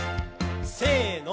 せの。